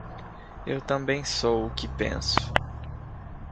Eu também sou o que penso.